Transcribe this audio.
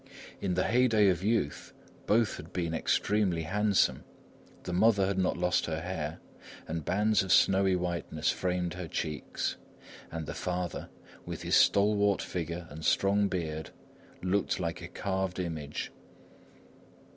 In the heyday of youth, both had been extremely handsome. The mother had not lost her hair, and bands of snowy whiteness framed her cheeks; and the father, with his stalwart figure and long beard, looked like a carved image.